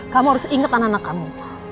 kamu harus ingat anak anak kamu